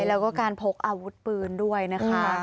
แล้วก็การพกอาวุธปืนด้วยนะคะ